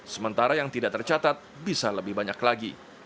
sementara yang tidak tercatat bisa lebih banyak lagi